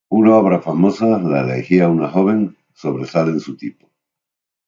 Una obra famosa, la "Elegía a una Joven", sobresale en su tipo.